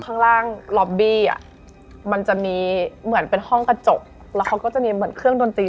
ข้างล่างลอบบี้มันจะมีเหมือนเป็นห้องกระจก